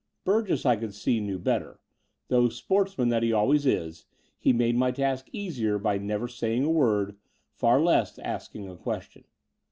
Bur gess, I could see, knew better, though, sportsman that he always is, he made my task easier by never saying a word, far less asking a question.